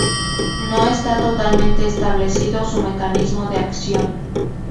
No está totalmente establecido su mecanismo de acción.